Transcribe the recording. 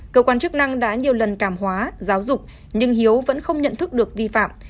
cơ quan chức năng đã nhiều lần cảm hóa giáo dục nhưng hiếu vẫn không nhận thức được vi phạm